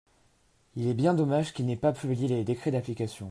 Il est bien dommage qu’ils n’aient pas publié les décrets d’application.